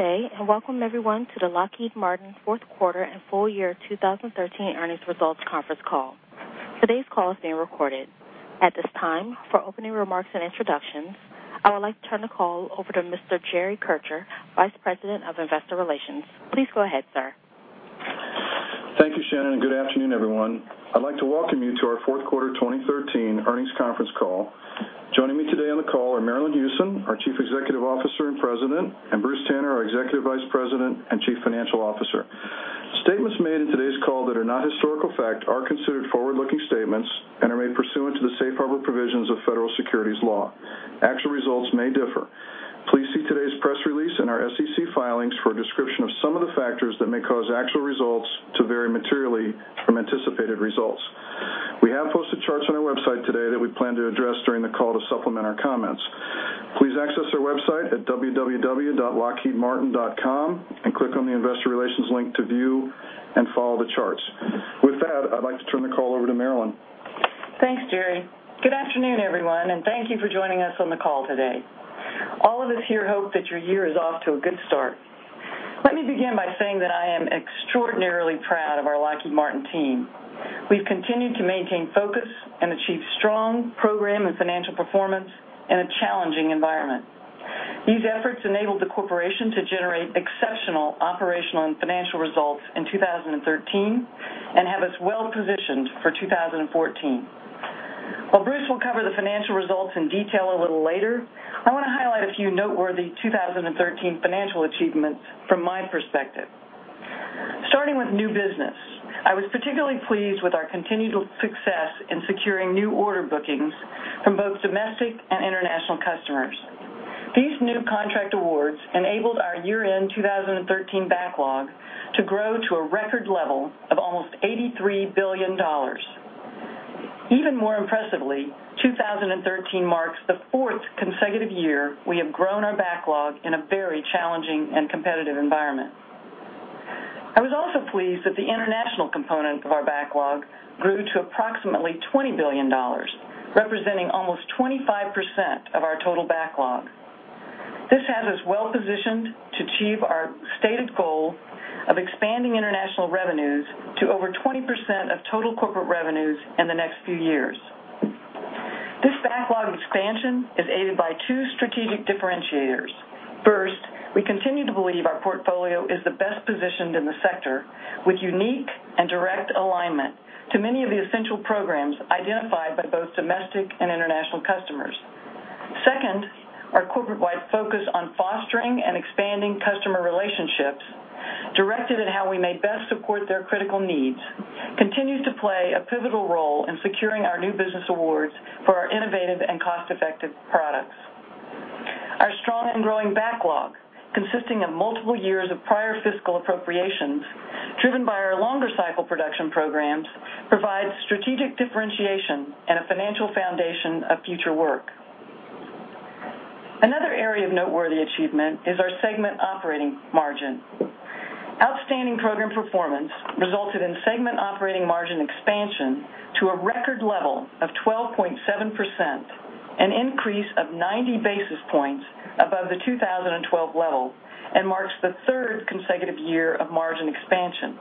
Good day. Welcome everyone to the Lockheed Martin fourth quarter and full year 2013 earnings results conference call. Today's call is being recorded. At this time, for opening remarks and introductions, I would like to turn the call over to Mr. Jerry Kircher, Vice President of Investor Relations. Please go ahead, sir. Thank you, Shannon. Good afternoon, everyone. I'd like to welcome you to our fourth quarter 2013 earnings conference call. Joining me today on the call are Marillyn Hewson, our Chief Executive Officer and President, and Bruce Tanner, our Executive Vice President and Chief Financial Officer. Statements made in today's call that are not historical fact are considered forward-looking statements and are made pursuant to the safe harbor provisions of federal securities law. Actual results may differ. Please see today's press release and our SEC filings for a description of some of the factors that may cause actual results to vary materially from anticipated results. We have posted charts on our website today that we plan to address during the call to supplement our comments. Please access our website at www.lockheedmartin.com and click on the Investor Relations link to view and follow the charts. With that, I'd like to turn the call over to Marillyn. Thanks, Jerry. Good afternoon, everyone. Thank you for joining us on the call today. All of us here hope that your year is off to a good start. Let me begin by saying that I am extraordinarily proud of our Lockheed Martin team. We've continued to maintain focus and achieve strong program and financial performance in a challenging environment. These efforts enabled the corporation to generate exceptional operational and financial results in 2013 and have us well-positioned for 2014. While Bruce will cover the financial results in detail a little later, I want to highlight a few noteworthy 2013 financial achievements from my perspective. Starting with new business, I was particularly pleased with our continual success in securing new order bookings from both domestic and international customers. These new contract awards enabled our year-end 2013 backlog to grow to a record level of almost $83 billion. Even more impressively, 2013 marks the fourth consecutive year we have grown our backlog in a very challenging and competitive environment. I was also pleased that the international component of our backlog grew to approximately $20 billion, representing almost 25% of our total backlog. This has us well-positioned to achieve our stated goal of expanding international revenues to over 20% of total corporate revenues in the next few years. This backlog expansion is aided by two strategic differentiators. First, we continue to believe our portfolio is the best positioned in the sector, with unique and direct alignment to many of the essential programs identified by both domestic and international customers. Second, our corporate-wide focus on fostering and expanding customer relationships, directed at how we may best support their critical needs, continues to play a pivotal role in securing our new business awards for our innovative and cost-effective products. Our strong and growing backlog, consisting of multiple years of prior fiscal appropriations, driven by our longer cycle production programs, provides strategic differentiation and a financial foundation of future work. Another area of noteworthy achievement is our segment operating margin. Outstanding program performance resulted in segment operating margin expansion to a record level of 12.7%, an increase of 90 basis points above the 2012 level, and marks the third consecutive year of margin expansion.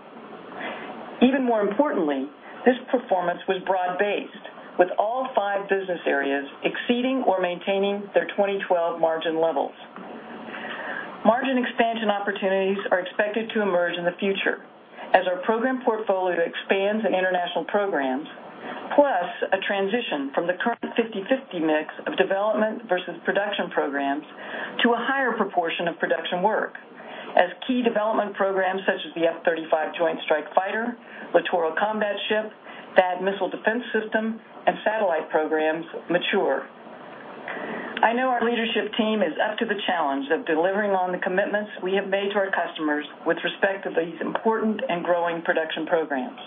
Even more importantly, this performance was broad-based, with all five business areas exceeding or maintaining their 2012 margin levels. Margin expansion opportunities are expected to emerge in the future as our program portfolio expands in international programs, plus a transition from the current 50/50 mix of development versus production programs to a higher proportion of production work as key development programs such as the F-35 Joint Strike Fighter, Littoral Combat Ship, THAAD Missile Defense System, and satellite programs mature. I know our leadership team is up to the challenge of delivering on the commitments we have made to our customers with respect to these important and growing production programs.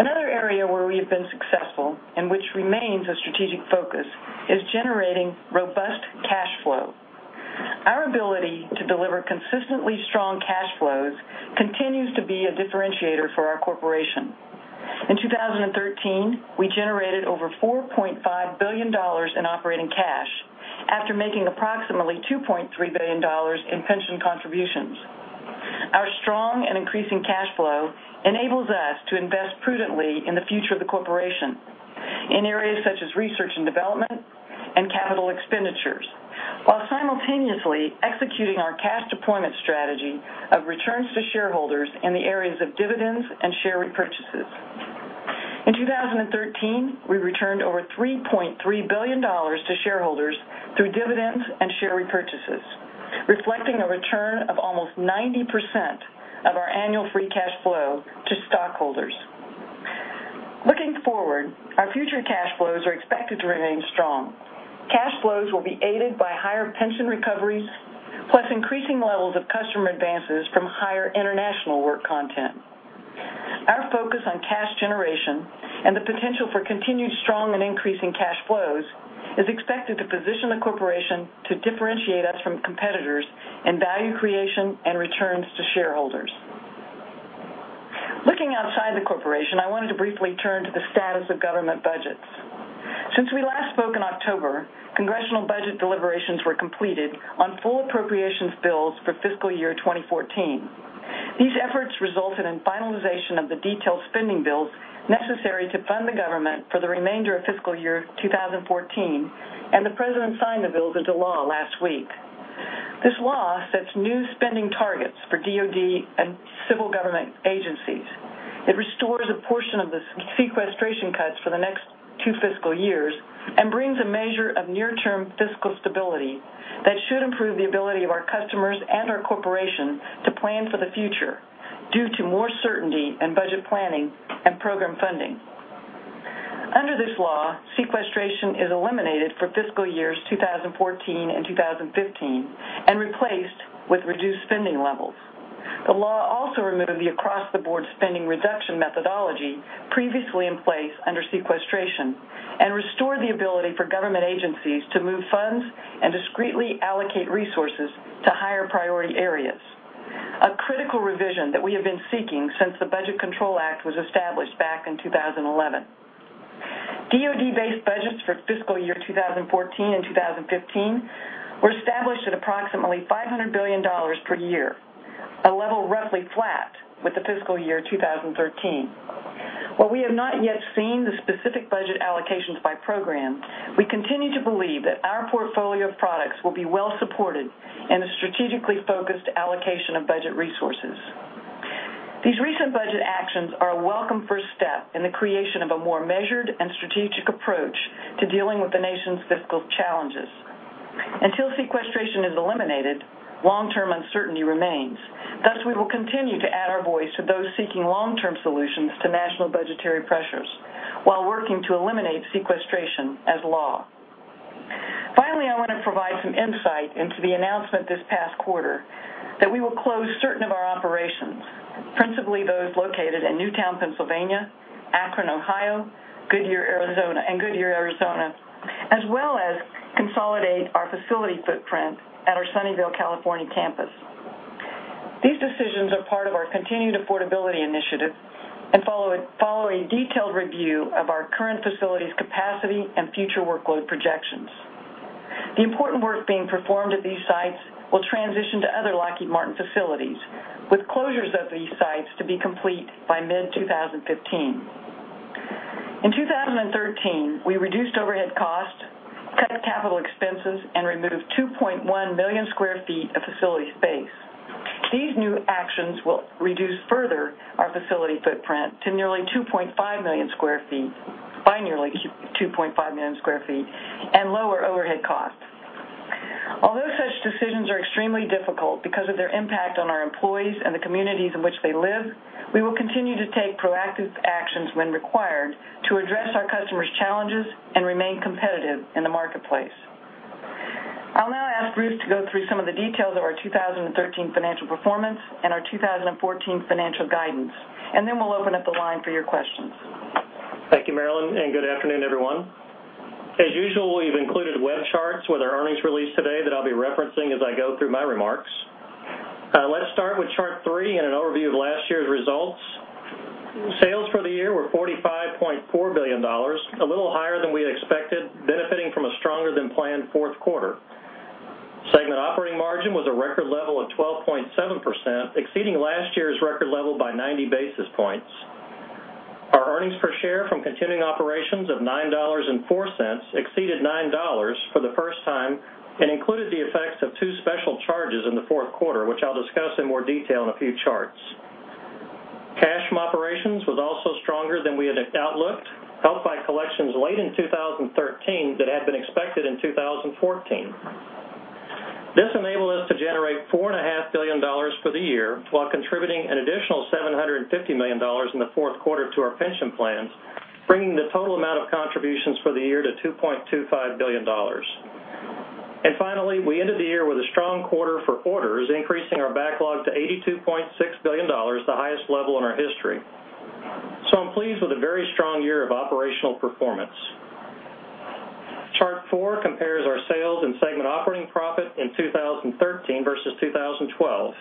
Another area where we have been successful, and which remains a strategic focus, is generating robust cash flow. Our ability to deliver consistently strong cash flows continues to be a differentiator for our corporation. In 2013, we generated over $4.5 billion in operating cash after making approximately $2.3 billion in pension contributions. Our strong and increasing cash flow enables us to invest prudently in the future of the corporation in areas such as research and development and capital expenditures, while simultaneously executing our cash deployment strategy of returns to shareholders in the areas of dividends and share repurchases. In 2013, we returned over $3.3 billion to shareholders through dividends and share repurchases, reflecting a return of almost 90% of our annual free cash flow to stockholders. Looking forward, our future cash flows are expected to remain strong. Cash flows will be aided by higher pension recoveries, plus increasing levels of customer advances from higher international work content. Our focus on cash generation and the potential for continued strong and increasing cash flows is expected to position the corporation to differentiate us from competitors in value creation and returns to shareholders. To briefly turn to the status of government budgets. Since we last spoke in October, congressional budget deliberations were completed on full appropriations bills for fiscal year 2014. These efforts resulted in finalization of the detailed spending bills necessary to fund the government for the remainder of fiscal year 2014, and the President signed the bills into law last week. This law sets new spending targets for DoD and civil government agencies. It restores a portion of the sequestration cuts for the next two fiscal years and brings a measure of near-term fiscal stability that should improve the ability of our customers and our corporation to plan for the future due to more certainty in budget planning and program funding. Under this law, sequestration is eliminated for fiscal years 2014 and 2015 and replaced with reduced spending levels. The law also removed the across-the-board spending reduction methodology previously in place under sequestration and restored the ability for government agencies to move funds and discreetly allocate resources to higher priority areas, a critical revision that we have been seeking since the Budget Control Act was established back in 2011. DoD-based budgets for fiscal year 2014 and 2015 were established at approximately $500 billion per year, a level roughly flat with the fiscal year 2013. While we have not yet seen the specific budget allocations by program, we continue to believe that our portfolio of products will be well supported in a strategically focused allocation of budget resources. These recent budget actions are a welcome first step in the creation of a more measured and strategic approach to dealing with the nation's fiscal challenges. Until sequestration is eliminated, long-term uncertainty remains. We will continue to add our voice to those seeking long-term solutions to national budgetary pressures while working to eliminate sequestration as law. I want to provide some insight into the announcement this past quarter that we will close certain of our operations, principally those located in Newtown, Pennsylvania, Akron, Ohio, Goodyear, Arizona, as well as consolidate our facility footprint at our Sunnyvale, California campus. These decisions are part of our continued affordability initiative and follow a detailed review of our current facilities' capacity and future workload projections. The important work being performed at these sites will transition to other Lockheed Martin facilities, with closures of these sites to be complete by mid-2015. In 2013, we reduced overhead costs, cut capital expenses, and removed 2.1 million sq ft of facility space. These new actions will reduce further our facility footprint by nearly 2.5 million sq ft and lower overhead costs. Although such decisions are extremely difficult because of their impact on our employees and the communities in which they live, we will continue to take proactive actions when required to address our customers' challenges and remain competitive in the marketplace. I'll now ask Bruce to go through some of the details of our 2013 financial performance and our 2014 financial guidance. Then we'll open up the line for your questions. Thank you, Marillyn, and good afternoon, everyone. As usual, we've included web charts with our earnings release today that I'll be referencing as I go through my remarks. Let's start with chart three and an overview of last year's results. Sales for the year were $45.4 billion, a little higher than we had expected, benefiting from a stronger-than-planned fourth quarter. Segment operating margin was a record level of 12.7%, exceeding last year's record level by 90 basis points. Our earnings per share from continuing operations of $9.04 exceeded $9 for the first time and included the effects of two special charges in the fourth quarter, which I'll discuss in more detail in a few charts. Cash from operations was also stronger than we had outlooked, helped by collections late in 2013 that had been expected in 2014. This enabled us to generate $4.5 billion for the year, while contributing an additional $750 million in the fourth quarter to our pension plans, bringing the total amount of contributions for the year to $2.25 billion. Finally, we ended the year with a strong quarter for orders, increasing our backlog to $82.6 billion, the highest level in our history. I'm pleased with a very strong year of operational performance. Chart four compares our sales and segment operating profit in 2013 versus 2012.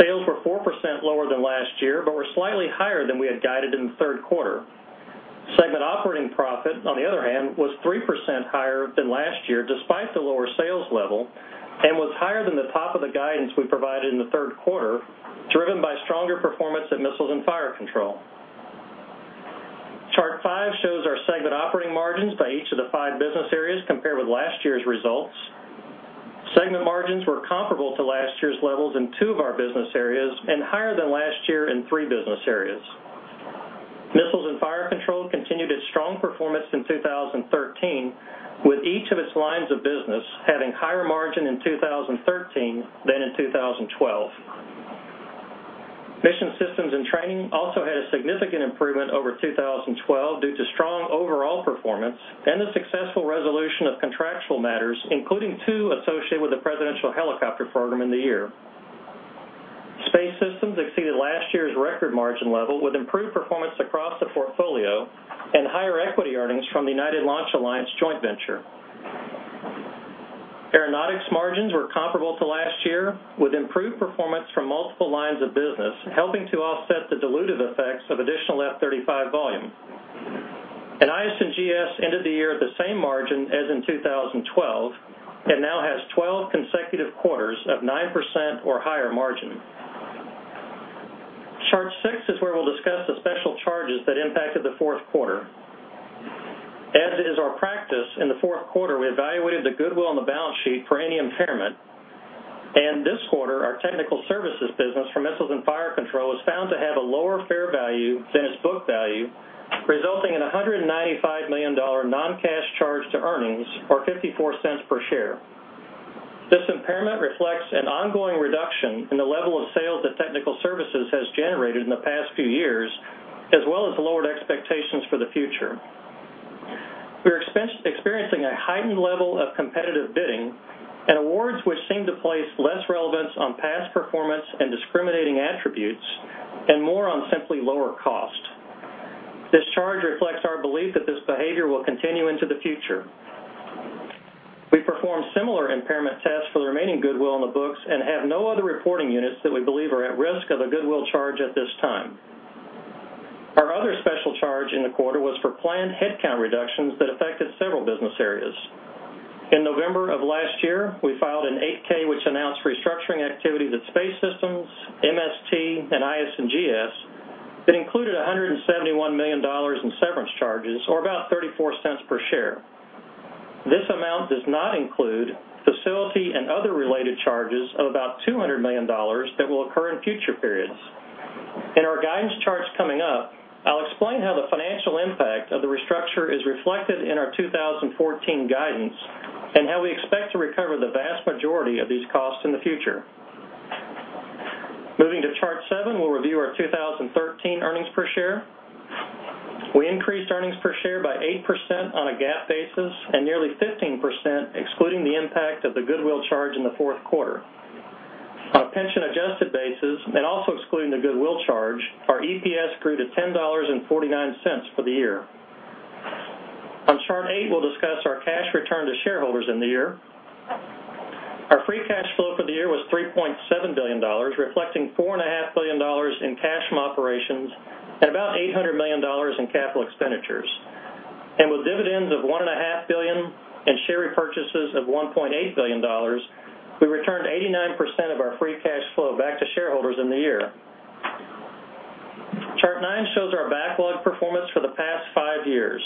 Sales were 4% lower than last year but were slightly higher than we had guided in the third quarter. Segment operating profit, on the other hand, was 3% higher than last year, despite the lower sales level, and was higher than the top of the guidance we provided in the third quarter, driven by stronger performance at Missiles and Fire Control. Chart five shows our segment operating margins by each of the five business areas compared with last year's results. Segment margins were comparable to last year's levels in two of our business areas and higher than last year in three business areas. Missiles and Fire Control continued its strong performance in 2013, with each of its lines of business having higher margin in 2013 than in 2012. Mission Systems and Training also had a significant improvement over 2012 due to strong overall performance and the successful resolution of contractual matters, including two associated with the presidential helicopter program in the year. Space Systems exceeded last year's record margin level with improved performance across the portfolio and higher equity earnings from the United Launch Alliance joint venture. Aeronautics margins were comparable to last year with improved performance from multiple lines of business, helping to offset the dilutive effects of additional F-35 volume. IS&GS ended the year at the same margin as in 2012, and now has 12 consecutive quarters of 9% or higher margin. Chart six is where we'll discuss the special charges that impacted the fourth quarter. As is our practice, in the fourth quarter, we evaluated the goodwill on the balance sheet for any impairment. This quarter, our Technical Services business for Missiles and Fire Control was found to have a lower fair value than its book value, resulting in $195 million non-cash charge to earnings, or $0.54 per share. This impairment reflects an ongoing reduction in the level of sales that Technical Services has generated in the past few years, as well as lowered expectations for the future. We're experiencing a heightened level of competitive bidding and awards which seem to place less relevance on past performance and discriminating attributes, and more on simply lower cost. This charge reflects our belief that this behavior will continue into the future. We performed similar impairment tests for the remaining goodwill on the books and have no other reporting units that we believe are at risk of a goodwill charge at this time. Our other special charge in the quarter was for planned headcount reductions that affected several business areas. In November of last year, we filed an 8-K which announced restructuring activity at Space Systems, MST, and IS&GS that included $171 million in severance charges, or about $0.34 per share. This amount does not include facility and other related charges of about $200 million that will occur in future periods. In our guidance charts coming up, I'll explain how the financial impact of the restructure is reflected in our 2014 guidance and how we expect to recover the vast majority of these costs in the future. Moving to chart seven, we'll review our 2013 earnings per share. We increased earnings per share by 8% on a GAAP basis and nearly 15%, excluding the impact of the goodwill charge in the fourth quarter. On a pension-adjusted basis, also excluding the goodwill charge, our EPS grew to $10.49 for the year. On chart eight, we'll discuss our cash return to shareholders in the year. Our free cash flow for the year was $3.7 billion, reflecting $4.5 billion in cash from operations and about $800 million in capital expenditures. With dividends of $1.5 billion and share repurchases of $1.8 billion, we returned 89% of our free cash flow back to shareholders in the year. Chart nine shows our backlog performance for the past five years.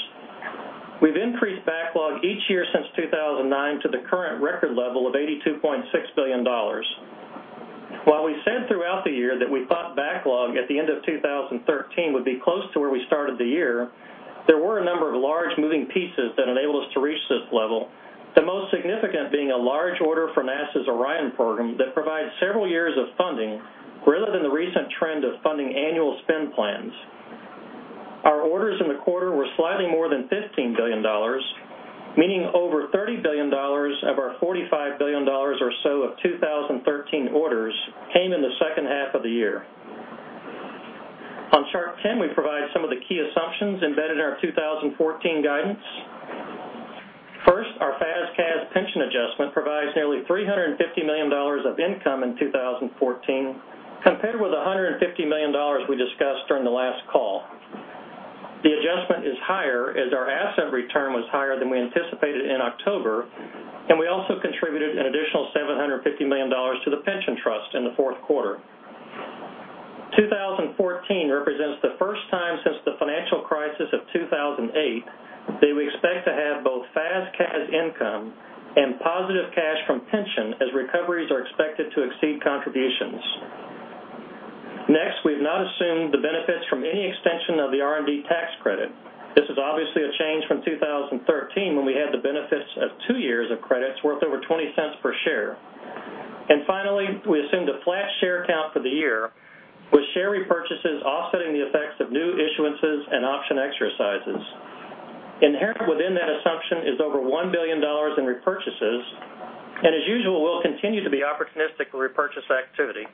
We've increased backlog each year since 2009 to the current record level of $82.6 billion. While we said throughout the year that we thought backlog at the end of 2013 would be close to where we started the year, there were a number of large moving pieces that enabled us to reach this level. The most significant being a large order from NASA's Orion program that provides several years of funding rather than the recent trend of funding annual spend plans. Our orders in the quarter were slightly more than $15 billion, meaning over $30 billion of our $45 billion or so of 2013 orders came in the second half of the year. On chart 10, we provide some of the key assumptions embedded in our 2014 guidance. First, our FAS CAS pension adjustment provides nearly $350 million of income in 2014, compared with $150 million we discussed during the last call. The adjustment is higher as our asset return was higher than we anticipated in October, we also contributed an additional $750 million to the pension trust in the fourth quarter. 2014 represents the first time since the financial crisis of 2008 that we expect to have both FAS CAS income and positive cash from pension as recoveries are expected to exceed contributions. Next, we've not assumed the benefits from any extension of the R&D tax credit. This is obviously a change from 2013, when we had the benefits of two years of credits worth over $0.20 per share. Finally, we assumed a flat share count for the year, with share repurchases offsetting the effects of new issuances and option exercises. Inherent within that assumption is over $1 billion in repurchases, and as usual, we'll continue to be opportunistic with repurchase activity.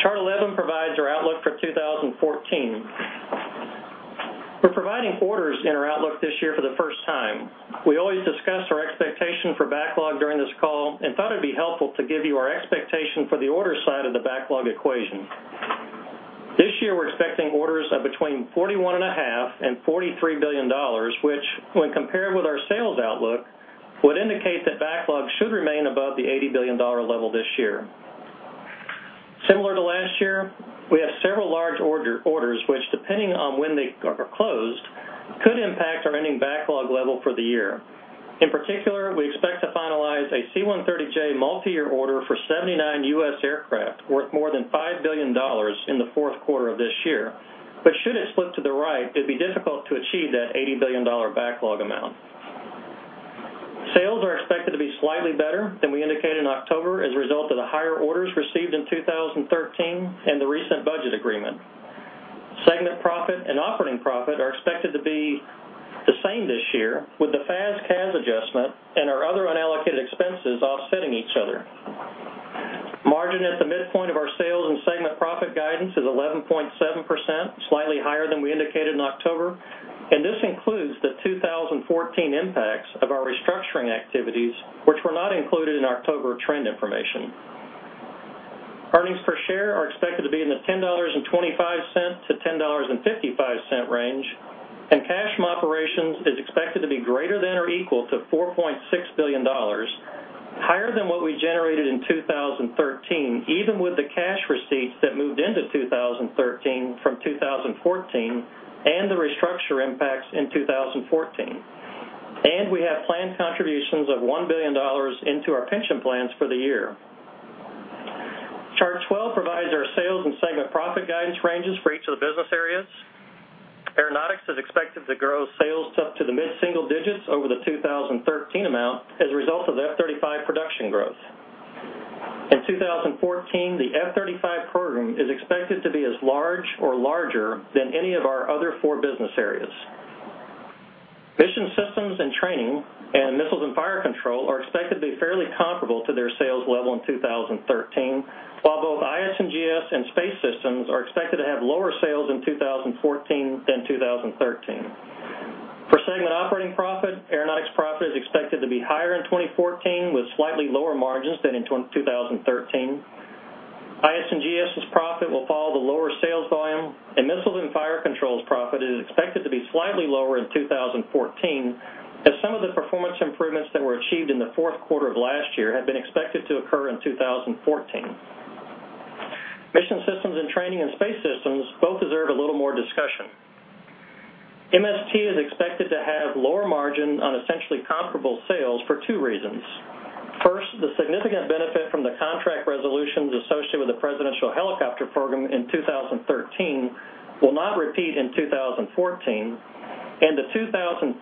Chart 11 provides our outlook for 2014. We're providing orders in our outlook this year for the first time. We always discuss our expectation for backlog during this call and thought it'd be helpful to give you our expectation for the orders side of the backlog equation. This year, we're expecting orders of between $41.5 billion-$43 billion, which, when compared with our sales outlook, would indicate that backlog should remain above the $80 billion level this year. Similar to last year, we have several large orders which, depending on when they are closed, could impact our ending backlog level for the year. In particular, we expect to finalize a C-130J multi-year order for 79 U.S. aircraft worth more than $5 billion in the fourth quarter of this year. Should it slip to the right, it'd be difficult to achieve that $80 billion backlog amount. Sales are expected to be slightly better than we indicated in October as a result of the higher orders received in 2013 and the recent budget agreement. Segment profit and operating profit are expected to be the same this year, with the FAS/CAS adjustment and our other unallocated expenses. This includes the 2014 impacts of our restructuring activities, which were not included in October trend information. Earnings per share are expected to be in the $10.25-$10.55 range, and cash from operations is expected to be greater than or equal to $4.6 billion, higher than what we generated in 2013, even with the cash receipts that moved into 2013 from 2014 and the restructure impacts in 2014. We have planned contributions of $1 billion into our pension plans for the year. Chart 12 provides our sales and segment profit guidance ranges for each of the business areas. Aeronautics is expected to grow sales up to the mid-single digits over the 2013 amount as a result of the F-35 production growth. In 2014, the F-35 program is expected to be as large or larger than any of our other four business areas. Mission Systems and Training and Missiles and Fire Control are expected to be fairly comparable to their sales level in 2013, while both IS&GS and Space Systems are expected to have lower sales in 2014 than 2013. For segment operating profit, Aeronautics' profit is expected to be higher in 2014 with slightly lower margins than in 2013. IS&GS' profit will follow the lower sales volume, and Missiles and Fire Control's profit is expected to be slightly lower in 2014, as some of the performance improvements that were achieved in the fourth quarter of last year had been expected to occur in 2014. Mission Systems and Training and Space Systems both deserve a little more discussion. MST is expected to have lower margin on essentially comparable sales for two reasons. First, the significant benefit from the contract resolutions associated with the presidential helicopter program in 2013 will not repeat in 2014, and the 2014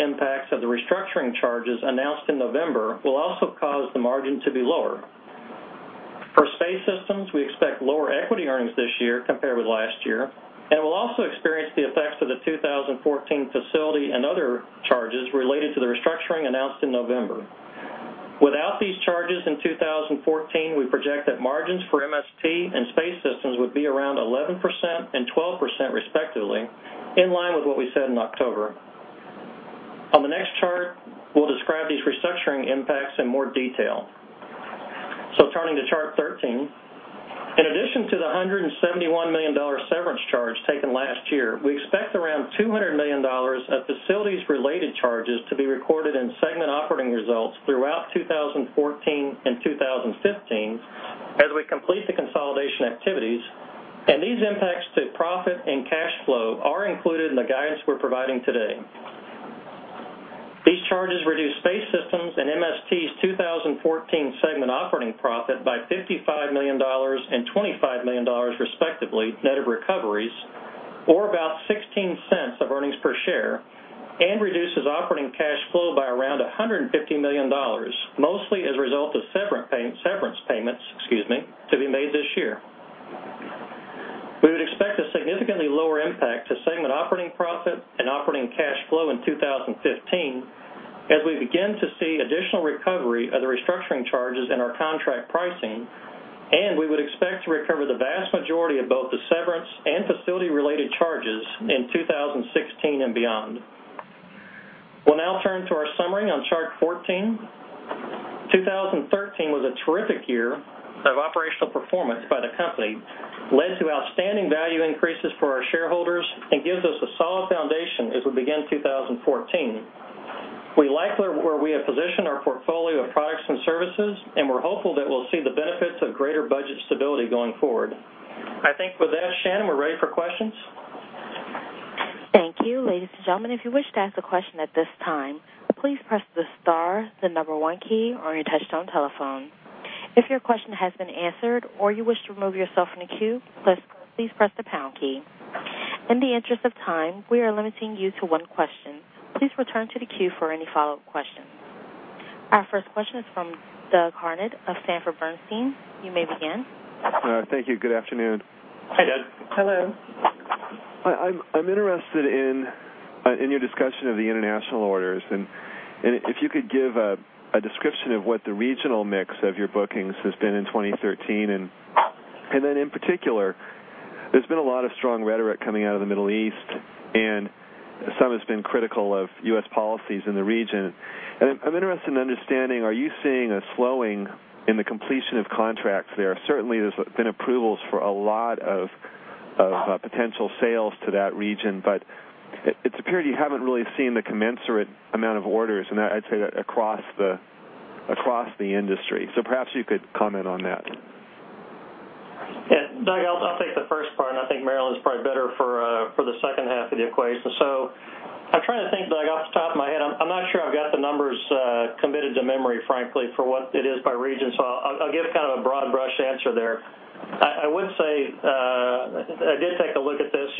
impacts of the restructuring charges announced in November will also cause the margin to be lower. For Space Systems, we expect lower equity earnings this year compared with last year, and we will also experience the effects of the 2014 facility and other charges related to the restructuring announced in November. Without these charges in 2014, we project that margins for MST and Space Systems would be around 11% and 12% respectively, in line with what we said in October. On the next chart, we will describe these restructuring impacts in more detail. Turning to chart 13. In addition to the $171 million severance charge taken last year, we expect around $200 million of facilities-related charges to be recorded in segment operating results throughout 2014 and 2015 as we complete the consolidation activities, these impacts to profit and cash flow are included in the guidance we are providing today. These charges reduce Space Systems and MST's 2014 segment operating profit by $55 million and $25 million respectively, net of recoveries, or about $0.16 of earnings per share, reduces operating cash flow by around $150 million, mostly as a result of severance payments to be made this year. We would expect a significantly lower impact to segment operating profit and operating cash flow in 2015 as we begin to see additional recovery of the restructuring charges in our contract pricing, we would expect to recover the vast majority of both the severance and facility-related charges in 2016 and beyond. We will now turn to our summary on chart 14. 2013 was a terrific year of operational performance by the company, led to outstanding value increases for our shareholders, gives us a solid foundation as we begin 2014. We like where we have positioned our portfolio of products and services, we are hopeful that we will see the benefits of greater budget stability going forward. I think with that, Shannon, we are ready for questions. Thank you. Ladies and gentlemen, if you wish to ask a question at this time, please press the star, the number 1 key on your touchtone telephone. If your question has been answered or you wish to remove yourself from the queue, please press the pound key. In the interest of time, we are limiting you to one question. Please return to the queue for any follow-up questions. Our first question is from Doug Harned of Sanford Bernstein. You may begin. Thank you. Good afternoon. Hi, Doug. Hello. I'm interested in your discussion of the international orders, and if you could give a description of what the regional mix of your bookings has been in 2013. In particular, there's been a lot of strong rhetoric coming out of the Middle East, and some has been critical of U.S. policies in the region. I'm interested in understanding, are you seeing a slowing in the completion of contracts there? Certainly, there's been approvals for a lot of potential sales to that region. It's appeared you haven't really seen the commensurate amount of orders, and I'd say that across the industry. Perhaps you could comment on that. Yeah. Doug, I'll take the first part, and I think Marillyn is probably better for the second half of the equation. I'm trying to think, Doug, off the top of my head. I'm not sure I've got the numbers committed to memory, frankly, for what it is by region. I'll give kind of a broad brush answer there. I would say, I did take a look at this.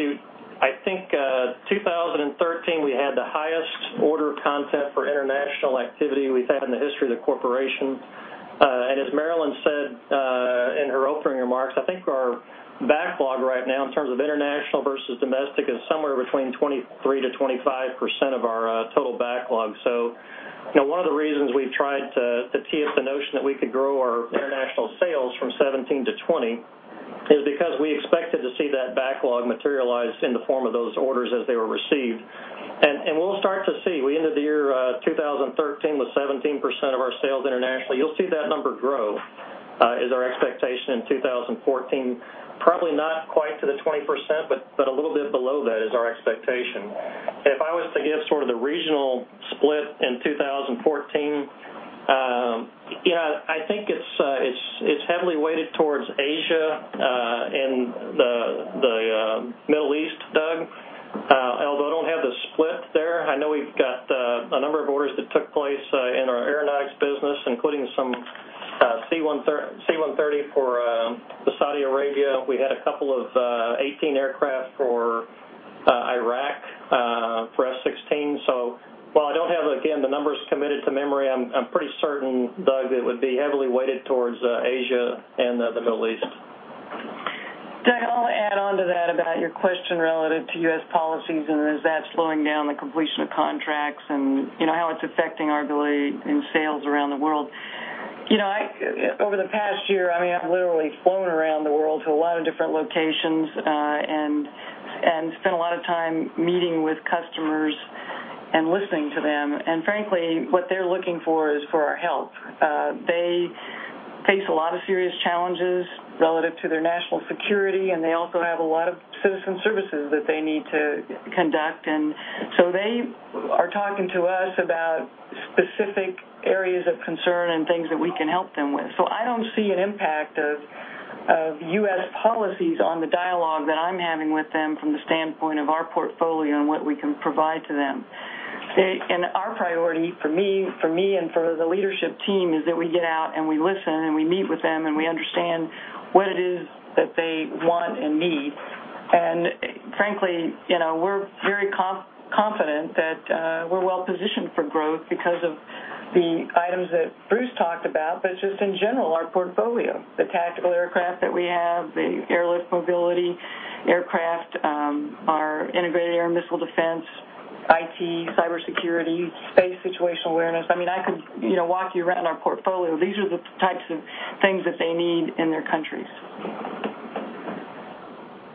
I think 2013, we had the highest order content for international activity we've had in the history of the corporation. As Marillyn said in her opening remarks, I think our backlog right now in terms of international versus domestic is somewhere between 23%-25% of our total backlog. One of the reasons we've tried to tee up the notion that we could grow our Aeronautics 2017-2020, is because we expected to see that backlog materialize in the form of those orders as they were received. We'll start to see. We ended the year 2013 with 17% of our sales internationally. You'll see that number grow, is our expectation in 2014, probably not quite to the 20%, but a little bit below that is our expectation. If I was to give sort of the regional split in 2014, I think it's heavily weighted towards Asia and the Middle East, Doug. Although I don't have the split there, I know we've got a number of orders that took place in our aeronautics business, including some C-130 for Saudi Arabia. We had a couple of 18 aircraft for Iraq, for F-16. While I don't have, again, the numbers committed to memory, I'm pretty certain, Doug, that it would be heavily weighted towards Asia and the Middle East. Doug, I'll add on to that about your question relative to U.S. policies and is that slowing down the completion of contracts and how it's affecting our ability in sales around the world. Over the past year, I've literally flown around the world to a lot of different locations, and spent a lot of time meeting with customers and listening to them. Frankly, what they're looking for is for our help. They face a lot of serious challenges relative to their national security, and they also have a lot of citizen services that they need to conduct. They are talking to us about specific areas of concern and things that we can help them with. I don't see an impact of U.S. policies on the dialogue that I'm having with them from the standpoint of our portfolio and what we can provide to them. Our priority, for me and for the leadership team, is that we get out and we listen and we meet with them and we understand what it is that they want and need. Frankly, we're very confident that we're well positioned for growth because of the items that Bruce talked about, but it's just in general, our portfolio. The tactical aircraft that we have, the airlift mobility aircraft, our integrated air missile defense, IT, cyber security, space situational awareness. I could walk you around our portfolio. These are the types of things that they need in their countries.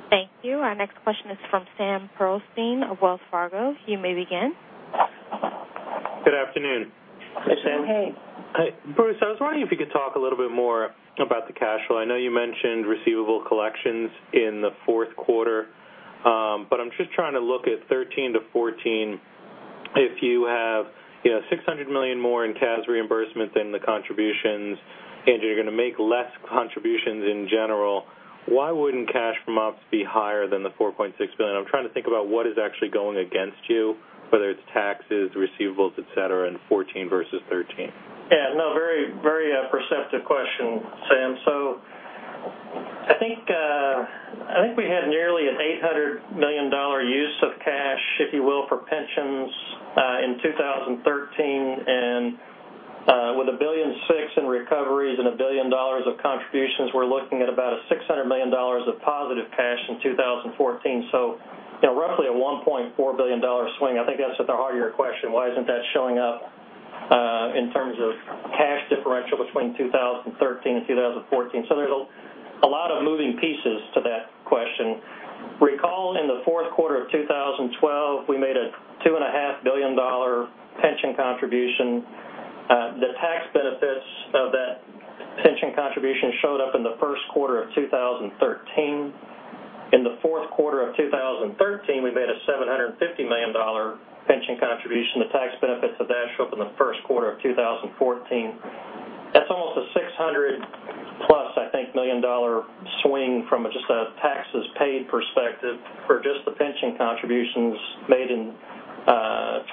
Thank you. Our next question is from Sam Pearlstein of Wells Fargo. You may begin. Good afternoon. Hey, Sam. Hey. Hi. Bruce, I was wondering if you could talk a little bit more about the cash flow. I know you mentioned receivable collections in the fourth quarter. I'm just trying to look at 2013 to 2014. If you have $600 million more in CAS reimbursement than the contributions, and you're going to make less contributions in general, why wouldn't cash from ops be higher than the $4.6 billion? I'm trying to think about what is actually going against you, whether it's taxes, receivables, et cetera, in 2014 versus 2013. Very perceptive question, Sam. I think we had nearly an $800 million use of cash, if you will, for pensions in 2013, and with $1.6 billion in recoveries and $1 billion of contributions, we're looking at about a $600 million of positive cash in 2014. Roughly a $1.4 billion swing. I think that's at the heart of your question, why isn't that showing up, in terms of cash differential between 2013 and 2014? There's a lot of moving pieces to that question. Recall in the fourth quarter of 2012, we made a $2.5 billion pension contribution. The tax benefits of that pension contribution showed up in the first quarter of 2013. In the fourth quarter of 2013, we made a $750 million pension contribution. The tax benefits of that showed up in the first quarter of 2014. That's almost a $600 million-plus swing from just a taxes paid perspective for just the pension contributions made in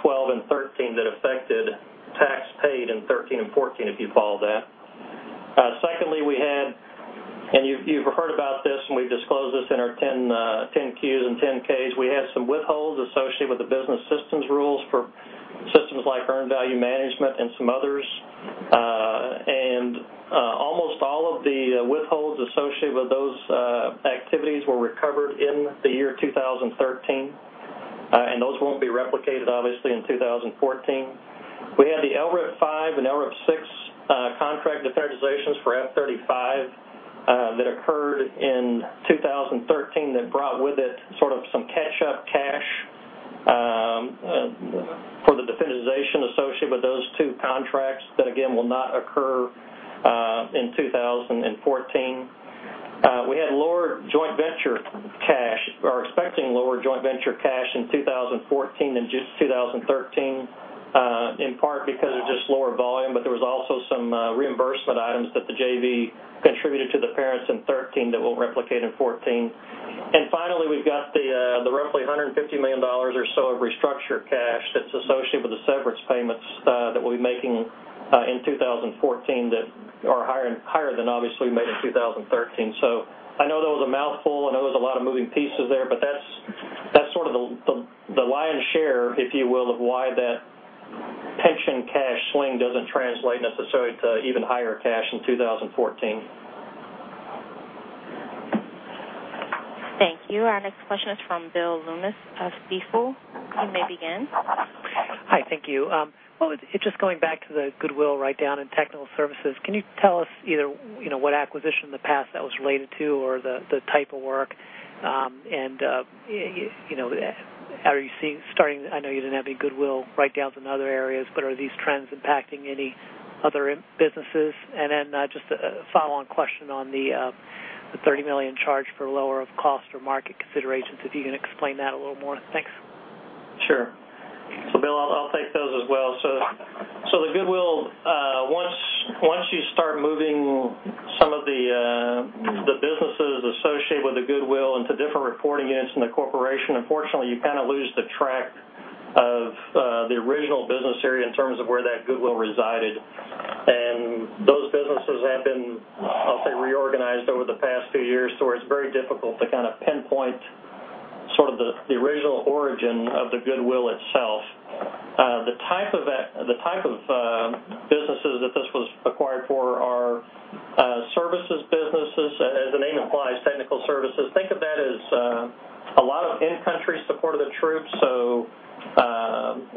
2012 and 2013 that affected tax paid in 2013 and 2014, if you follow that. Secondly, we had, and you've heard about this, and we've disclosed this in our 10-Qs and 10-K, we had some withholds associated with the business systems rules for systems like earned value management and some others. Almost all of the withholds associated with those activities were recovered in the year 2013. Those won't be replicated, obviously, in 2014. We had the LRIP 5 and LRIP 6 contract definitizations for F-35 that occurred in 2013 that brought with it sort of some catch-up cash for the definitization associated with those two contracts. That, again, will not occur in 2014. We had lower joint venture cash. We're expecting lower joint venture cash in 2014 than just 2013, in part because of just lower volume, but there was also some reimbursement items that the JV contributed to the parents in 2013 that we'll replicate in 2014. Finally, we've got the roughly $150 million or so of restructure cash that's associated with the severance payments that we'll be making in 2014 that are higher than obviously we made in 2013. I know that was a mouthful, and I know there's a lot of moving pieces there, but that's sort of the lion's share, if you will, of why that pension cash swing doesn't translate necessarily to even higher cash in 2014. Thank you. Our next question is from William Loomis of Stifel. You may begin. Hi. Thank you. Well, just going back to the goodwill write-down in Technical Services, can you tell us either what acquisition in the past that was related to or the type of work? Are you seeing starting, I know you didn't have any goodwill write-downs in other areas, but are these trends impacting any other businesses? Just a follow-on question on the $30 million charge for lower of cost or market considerations, if you can explain that a little more. Thanks. Sure. Bill, I'll take those as well. The goodwill, once you start moving some of the businesses associated with the goodwill into different reporting units in the corporation, unfortunately you kind of lose the track of the original business area in terms of where that goodwill resided. Those businesses have been, I'll say, reorganized over the past few years. It's very difficult to kind of pinpoint sort of the original origin of the goodwill itself. The type of businesses that this was acquired for are services businesses, as the name implies, Technical Services. Think of that as a lot of in-country support of the troops.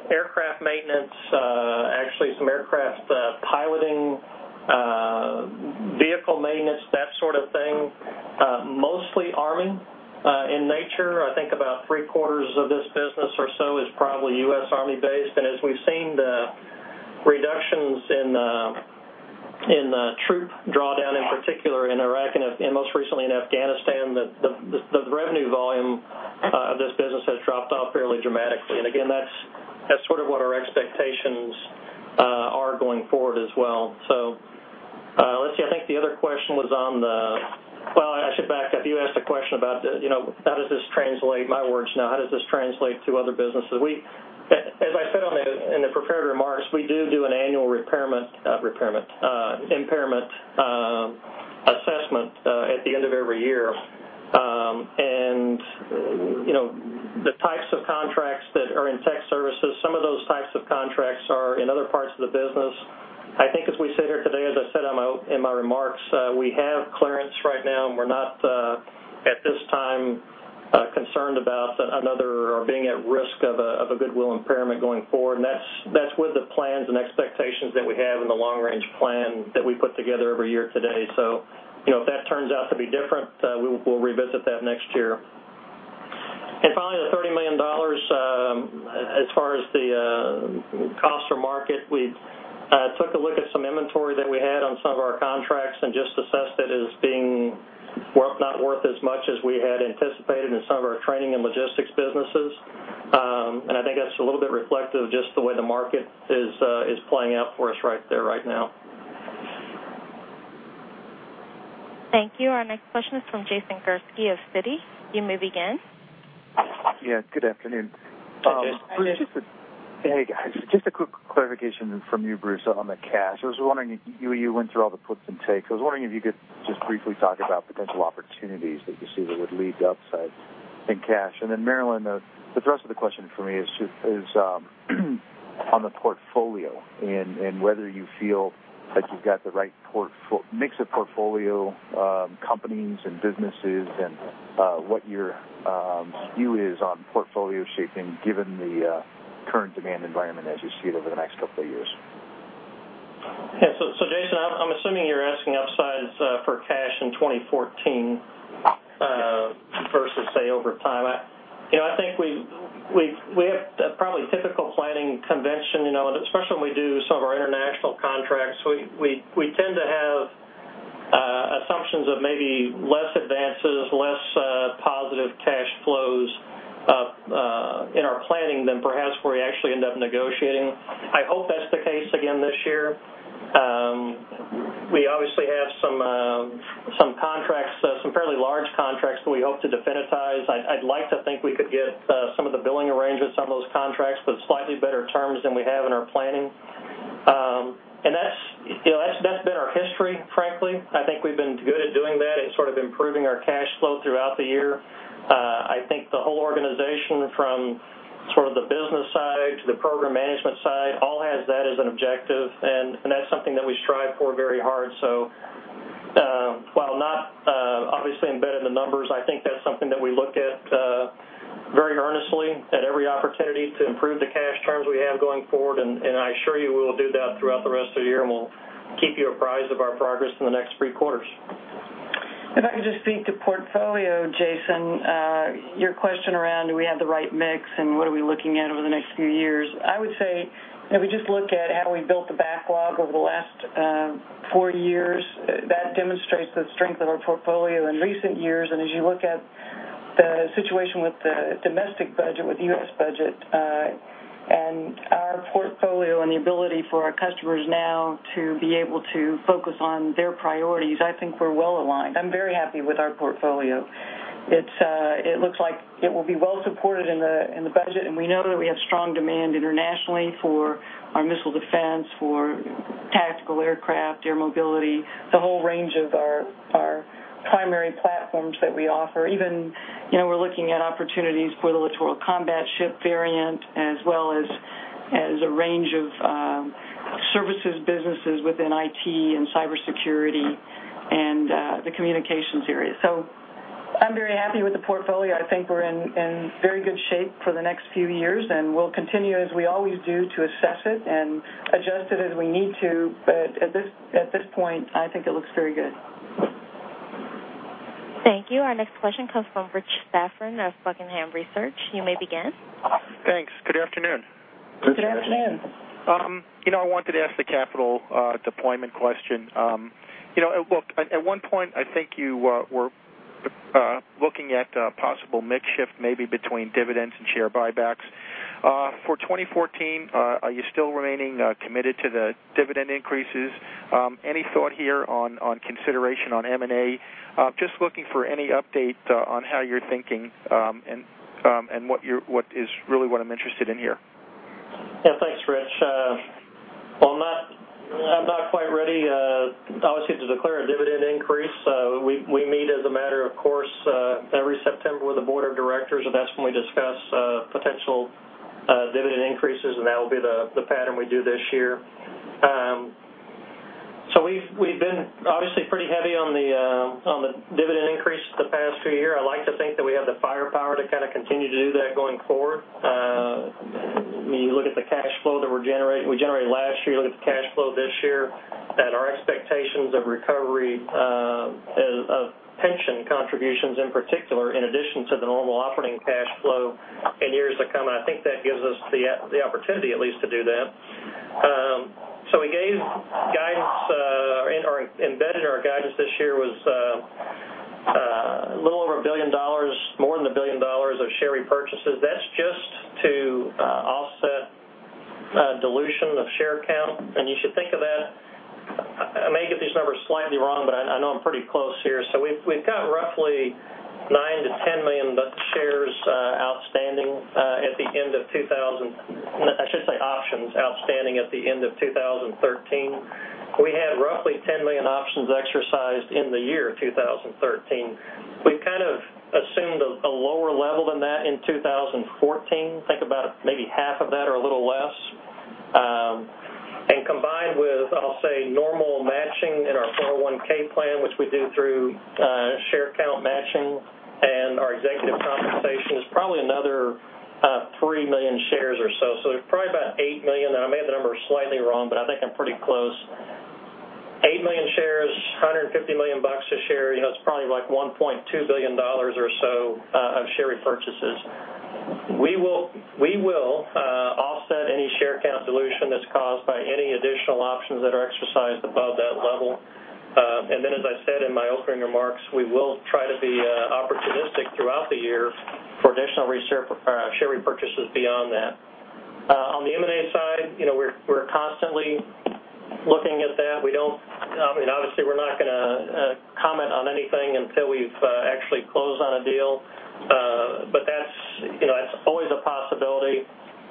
Aircraft maintenance, actually some aircraft piloting, vehicle maintenance, that sort of thing. Mostly Army in nature. I think about three quarters of this business or so is probably U.S. Army based. As we've seen the reductions in the troop drawdown, in particular in Iraq and most recently in Afghanistan, the revenue volume of this business has dropped off fairly dramatically. Again, that's sort of what our expectations are going forward as well. Let's see. I think the other question was on the, well, I should back up. You asked a question about how does this translate, my words now, how does this translate to other businesses? As I said in the prepared remarks, we do do an annual impairment assessment at the end of every year. The types of contracts that are in Tech Services, some of those types of contracts are in other parts of the business. I think as we sit here today, as I said in my remarks, we have clearance right now and we're not at this time concerned about another or being at risk of a goodwill impairment going forward. That's with the plans and expectations that we have in the long range plan that we put together every year today. If that turns out to be different, we'll revisit that next year. Finally, the $30 million as far as the cost or market, we took a look at some inventory that we had on some of our contracts and just assessed it as being not worth as much as we had anticipated in some of our training and logistics businesses. I think that's a little bit reflective of just the way the market is playing out for us right there right now. Thank you. Our next question is from Jason Gursky of Citigroup. You may begin. Yeah, good afternoon. Hi, Jason. Hey, guys. Just a quick clarification from you, Bruce, on the cash. I was wondering, you went through all the puts and takes. I was wondering if you could just briefly talk about potential opportunities that you see that would lead to upside in cash. Marillyn, the thrust of the question for me is on the portfolio and whether you feel like you've got the right mix of portfolio companies and businesses and what your view is on portfolio shaping given the current demand environment as you see it over the next couple of years. Yeah. Jason, I'm assuming you're asking upsides for cash in 2014 versus, say, over time. I think we have probably typical planning convention, especially when we do some of our international contracts, we tend to have assumptions of maybe less advances, less positive cash flows in our planning than perhaps where we actually end up negotiating. I hope that's the case again this year. We obviously have some fairly large contracts that we hope to definitize. I'd like to think we could get some of the billing arrangements on those contracts with slightly better terms than we have in our planning. That's been our history, frankly. I think we've been good at doing that and sort of improving our cash flow throughout the year. I think the whole organization from sort of the business side to the program management side all has that as an objective and that's something that we strive for very hard. While not obviously embedded in the numbers, I think that's something that we look at very earnestly at every opportunity to improve the cash terms we have going forward. I assure you we will do that throughout the rest of the year and we'll keep you apprised of our progress in the next three quarters. If I could just speak to portfolio, Jason, your question around do we have the right mix and what are we looking at over the next few years? I would say if we just look at how we built the backlog over the last four years, that demonstrates the strength of our portfolio in recent years. As you look at the situation with the domestic budget, with the U.S. budget and our portfolio and the ability for our customers now to be able to focus on their priorities, I think we're well aligned. I'm very happy with our portfolio. It looks like it will be well supported in the budget and we know that we have strong demand internationally for our missile defense, for tactical aircraft, air mobility, the whole range of our primary platforms that we offer. Even we're looking at opportunities for the Littoral Combat Ship variant as well as a range of Services businesses within IT and cybersecurity and the communications area. I'm very happy with the portfolio. I think we're in very good shape for the next few years, and we'll continue, as we always do, to assess it and adjust it as we need to. At this point, I think it looks very good. Thank you. Our next question comes from Rich Safran of Buckingham Research. You may begin. Thanks. Good afternoon. Good afternoon. I wanted to ask the capital deployment question. Look, at one point, I think you were looking at a possible mix shift, maybe between dividends and share buybacks. For 2014, are you still remaining committed to the dividend increases? Any thought here on consideration on M&A? Just looking for any update on how you're thinking, and what is really what I'm interested in here. Yeah. Thanks, Rich. Well, I'm not quite ready, obviously, to declare a dividend increase. We meet as a matter of course, every September with the board of directors, and that's when we discuss potential dividend increases, and that will be the pattern we do this year. We've been obviously pretty heavy on the dividend increase the past few years. I like to think that we have the firepower to kind of continue to do that going forward. When you look at the cash flow that we generated last year, look at the cash flow this year, at our expectations of recovery of pension contributions in particular, in addition to the normal operating cash flow in years to come, I think that gives us the opportunity at least to do that. We gave guidance, or embedded in our guidance this year was a little over $1 billion, more than $1 billion of share repurchases. That's just to offset dilution of share count. You should think of that, I may get these numbers slightly wrong, but I know I'm pretty close here. We've got roughly 9 million-10 million shares outstanding at the end of 2013. We had roughly 10 million options exercised in the year 2013. We've kind of assumed a lower level than that in 2014. Think about maybe half of that or a little less. Combined with, I'll say, normal matching in our 401 plan, which we do through share count matching, and our executive compensation is probably another 3 million shares or so. There's probably about 8 million, I may have the numbers slightly wrong, but I think I'm pretty close. 8 million shares, $150 million a share, it's probably like $1.2 billion or so of share repurchases. We will offset any share count dilution that's caused by any additional options that are exercised above that level. Then, as I said in my opening remarks, we will try to be opportunistic throughout the year for additional share repurchases beyond that. On the M&A side, we're constantly looking at that. Obviously, we're not gonna comment on anything until we've actually closed on a deal. That's always a possibility.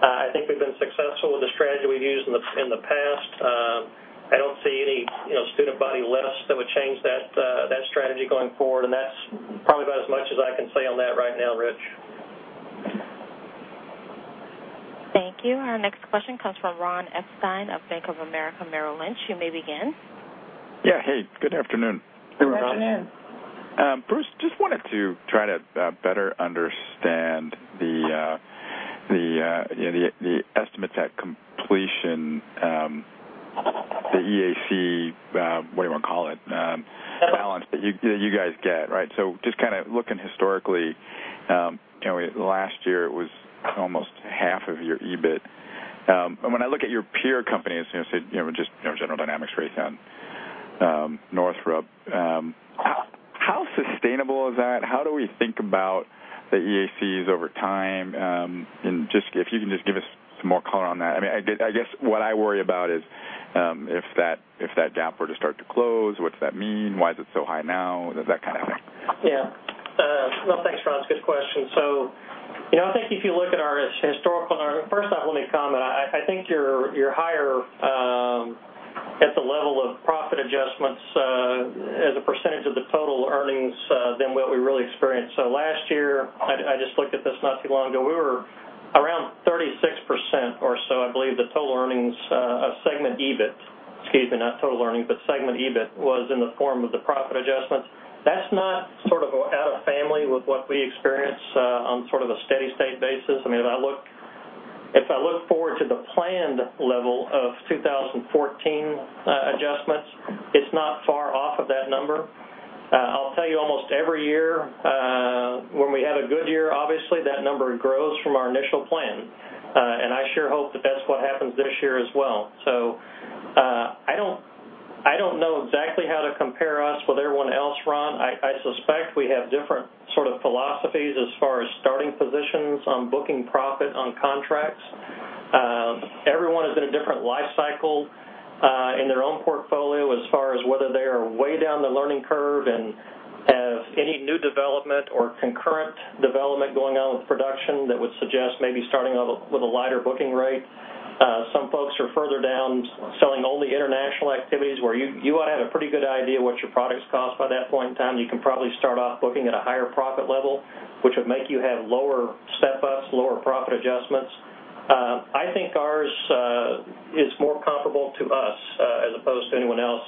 I think we've been successful with the strategy we've used in the past. I don't see any instead of body less that would change that strategy going forward, and that's probably about as much as I can say on that right now, Rich. Thank you. Our next question comes from Ronald Epstein of Bank of America Merrill Lynch. You may begin. Yeah. Hey, good afternoon. Hey, Ron. Bruce, just wanted to try to better understand the estimates at completion, the EAC, whatever you want to call it, balance that you guys get. Just kind of looking historically, last year it was almost half of your EBIT. When I look at your peer companies, just General Dynamics, Raytheon, Northrop, how sustainable is that? How do we think about the EACs over time? If you can just give us some more color on that. I guess what I worry about is if that gap were to start to close, what does that mean? Why is it so high now? That kind of thing. Well, thanks, Ron. It's a good question. I think if you look at our historical, first off, let me comment. I think you're higher at the level of profit adjustments as a percentage of the total earnings than what we really experienced. Last year, I just looked at this not too long ago, we were around 36% or so, I believe, the total earnings of segment EBIT. Excuse me, not total earnings, but segment EBIT was in the form of the profit adjustments. That's not sort of out of family with what we experience on sort of a steady state basis. If I look forward to the planned level of 2014 adjustments, it's not far off of that number. I'll tell you almost every year, when we have a good year, obviously, that number grows from our initial plan. I sure hope that that's what happens this year as well. I don't know exactly how to compare us with everyone else, Ron. I suspect we have different sort of philosophies as far as starting positions on booking profit on contracts. Everyone is in a different life cycle, in their own portfolio as far as whether they are way down the learning curve and have any new development or concurrent development going on with production that would suggest maybe starting out with a lighter booking rate. Some folks are further down selling only international activities where you ought to have a pretty good idea what your products cost by that point in time, and you can probably start off booking at a higher profit level, which would make you have lower step-ups, lower profit adjustments. I think ours is more comfortable to us as opposed to anyone else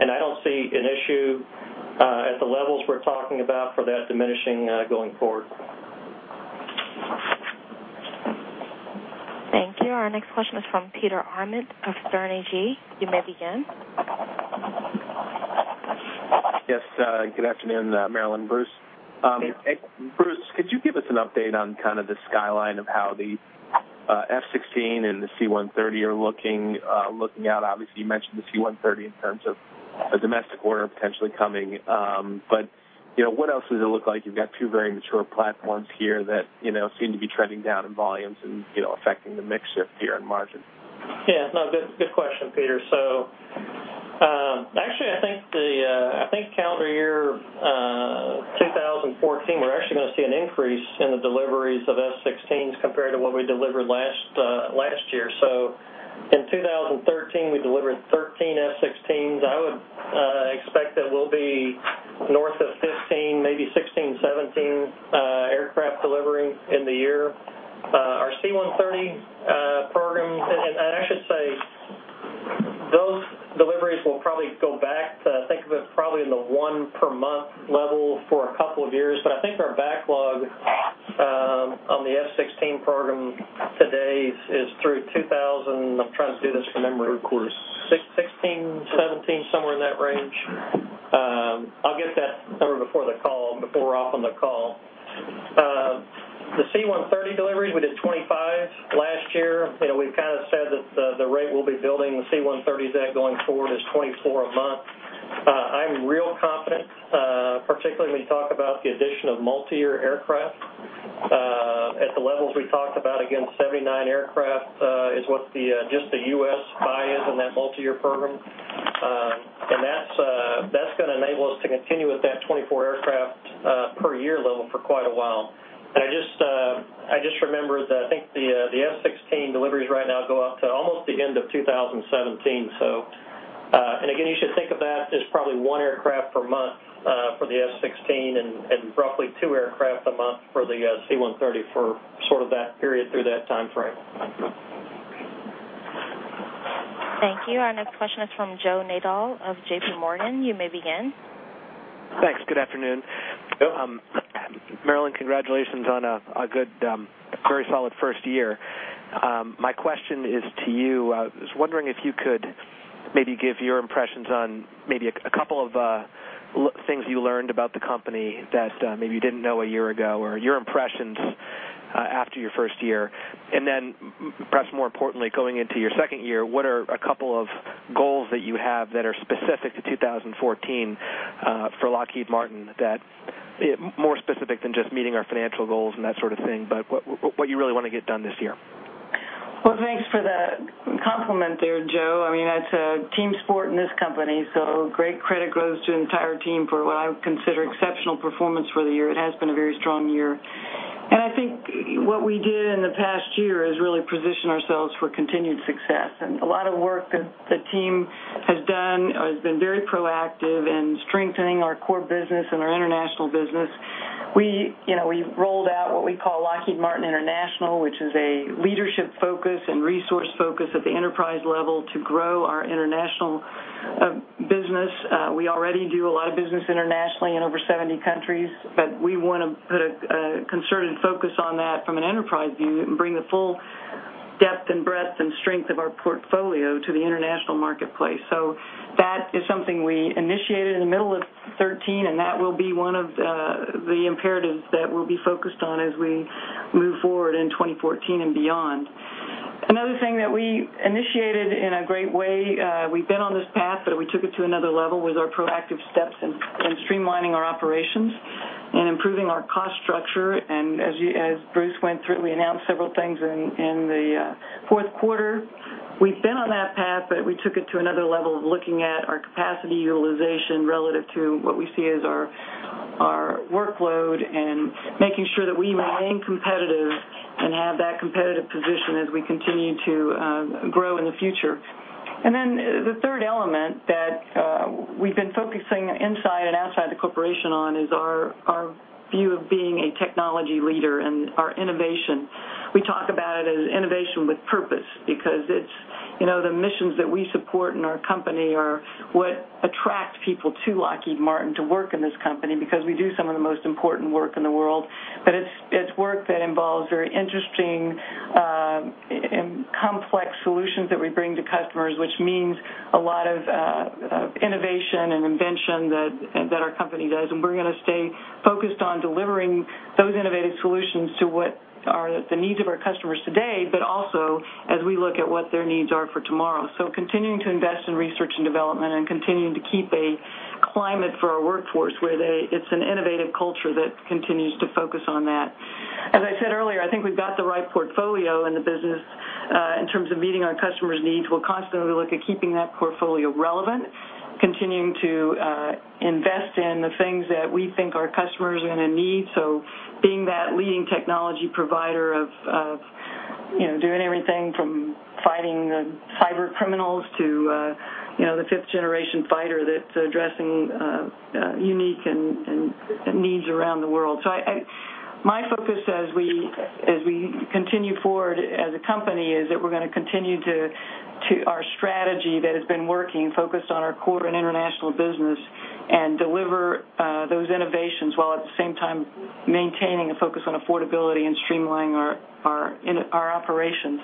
and I don't see an issue at the levels we're talking about for that diminishing going forward. Thank you. Our next question is from Peter Arment of Sterne Agee. You may begin. Yes. Good afternoon, Marillyn, Bruce. Hey, Pete. Bruce, could you give us an update on kind of the pipeline of how the F-16 and the C-130 are looking out? Obviously, you mentioned the C-130 in terms of a domestic order potentially coming. What else does it look like? You've got two very mature platforms here that seem to be trending down in volumes and affecting the mix here in margin. Good question, Peter. Actually, I think calendar year 2014, we're actually going to see an increase in the deliveries of F-16s compared to what we delivered last year. In 2013, we delivered 13 F-16s. I would expect that we'll be north of 15, maybe 16, 17 aircraft delivery in the year. Our C-130 program, I should say, those deliveries will probably go back to, think of it, probably in the one per month level for a couple of years. I think our backlog on the F-16 program to date is through 2016, 2017, somewhere in that range. I'll get that number before we're off on the call. The C-130 deliveries, we did 25 last year. We've kind of said that the rate we'll be building the C-130s at going forward is 24 a year. I'm real confident, particularly when you talk about the addition of multi-year aircraft, at the levels we talked about, again, 79 aircraft, is what just the U.S. buy is in that multi-year program. That's going to enable us to continue with that 24 aircraft per year level for quite a while. I just remembered that I think the F-16 deliveries right now go out to almost the end of 2017. Again, you should think of that as probably one aircraft per month for the F-16 and roughly two aircraft a month for the C-130 for sort of that period through that time frame. Thank you. Our next question is from Joe Nadol of JPMorgan. You may begin. Thanks. Good afternoon. Joe. Marillyn, congratulations on a very solid first year. My question is to you. I was wondering if you could maybe give your impressions on maybe a couple of things you learned about the company that maybe you didn't know a year ago, or your impressions after your first year. Perhaps more importantly, going into your second year, what are a couple of goals that you have that are specific to 2014 for Lockheed Martin, more specific than just meeting our financial goals and that sort of thing, but what you really want to get done this year? Well, thanks for the compliment there, Joe. It's a team sport in this company, so great credit goes to entire team for what I would consider exceptional performance for the year. It has been a very strong year. I think what we did in the past year is really position ourselves for continued success. A lot of work that the team has done has been very proactive in strengthening our core business and our international business. We've rolled out what we call Lockheed Martin International, which is a leadership focus and resource focus at the enterprise level to grow our international business. We already do a lot of business internationally in over 70 countries, but we want to put a concerted focus on that from an enterprise view and bring the full depth and breadth and strength of our portfolio to the international marketplace. That is something we initiated in the middle of 2013, and that will be one of the imperatives that we'll be focused on as we move forward in 2014 and beyond. Another thing that we initiated in a great way, we've been on this path, but we took it to another level, was our proactive steps in streamlining our operations and improving our cost structure. As Bruce went through, we announced several things in the fourth quarter. We've been on that path, but we took it to another level of looking at our capacity utilization relative to what we see as our workload and making sure that we remain competitive and have that competitive position as we continue to grow in the future. The third element that we've been focusing inside and outside the corporation on is our view of being a technology leader and our innovation. We talk about it as innovation with purpose because the missions that we support in our company are what attract people to Lockheed Martin to work in this company because we do some of the most important work in the world. It's work that involves very interesting and complex solutions that we bring to customers, which means a lot of innovation and invention that our company does, and we're going to stay focused on delivering those innovative solutions to what are the needs of our customers today, but also as we look at what their needs are for tomorrow. Continuing to invest in research and development and continuing to keep a climate for our workforce where it's an innovative culture that continues to focus on that. As I said earlier, I think we've got the right portfolio in the business, in terms of meeting our customers' needs. We'll constantly look at keeping that portfolio relevant, continuing to invest in the things that we think our customers are going to need. Being that leading technology provider of doing everything from fighting the cyber criminals to the fifth-generation fighter that's addressing unique and needs around the world. My focus as we continue forward as a company is that we're going to continue to our strategy that has been working, focused on our core and international business, and deliver those innovations while at the same time maintaining a focus on affordability and streamlining our operations.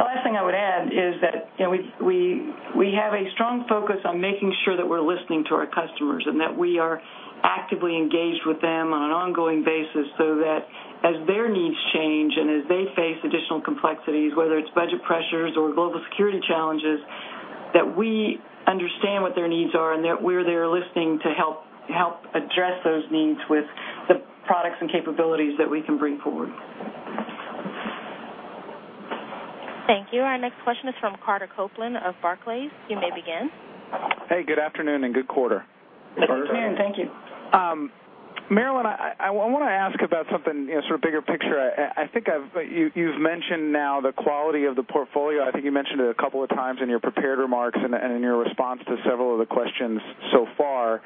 The last thing I would add is that we have a strong focus on making sure that we're listening to our customers and that we are actively engaged with them on an ongoing basis, so that as their needs change and as they face additional complexities, whether it's budget pressures or global security challenges, that we understand what their needs are and that we're there listening to help address those needs with the products and capabilities that we can bring forward. Thank you. Our next question is from Carter Copeland of Barclays. You may begin. Hey, good afternoon and good quarter. Good afternoon. Thank you. Marillyn, I want to ask about something sort of bigger picture. I think you've mentioned now the quality of the portfolio. I think you mentioned it a couple of times in your prepared remarks and in your response to several of the questions so far.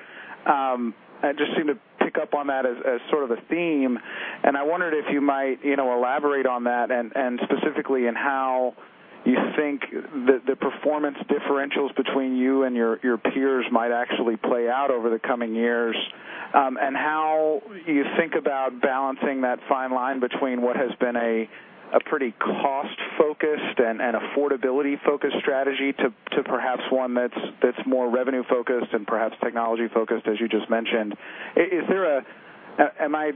I just seem to pick up on that as sort of a theme, and I wondered if you might elaborate on that and specifically on how you think the performance differentials between you and your peers might actually play out over the coming years. How you think about balancing that fine line between what has been a pretty cost-focused and affordability-focused strategy to perhaps one that's more revenue-focused and perhaps technology-focused, as you just mentioned. Am I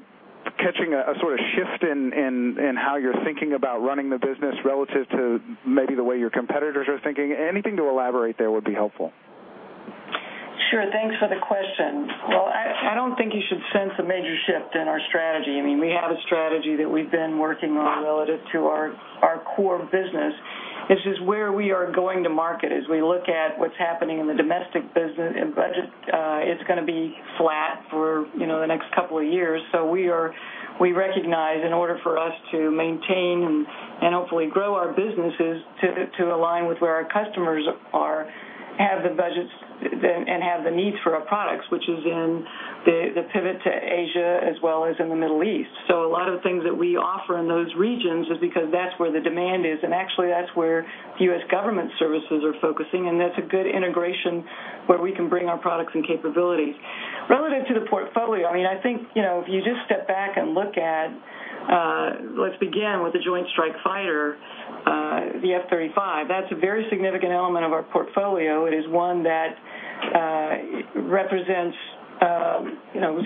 catching a sort of shift in how you're thinking about running the business relative to maybe the way your competitors are thinking? Anything to elaborate there would be helpful. Sure. Thanks for the question. I don't think you should sense a major shift in our strategy. We have a strategy that we've been working on relative to our core business. It's just where we are going to market as we look at what's happening in the domestic business and budget, it's going to be flat for the next couple of years. We recognize in order for us to maintain and hopefully grow our businesses to align with where our customers are, have the budgets, and have the needs for our products, which is in the pivot to Asia as well as in the Middle East. A lot of things that we offer in those regions is because that's where the demand is, and actually that's where the U.S. government services are focusing, and that's a good integration where we can bring our products and capabilities. Relative to the portfolio, I think, if you just step back and look at, let's begin with the Joint Strike Fighter, the F-35. That's a very significant element of our portfolio. It is one that represents